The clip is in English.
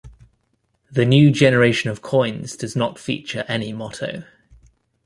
The new generation of coins does not feature any motto.